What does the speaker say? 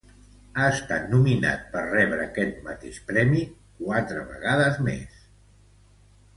Ha estat nominat per rebre este mateix premi quatre vegades més.